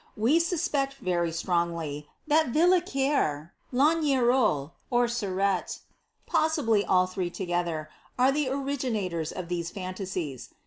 We suspect, very strongly, that Vil l^uier, Lignerolles, or Sauret — |>ossibly all three together — are the originators of these fantasies.